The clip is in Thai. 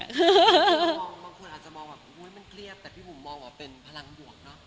บางคนอาจจะมองว่ามันเกลี้ยบแต่พี่หมุมมองว่าเป็นพลังบวกเนอะ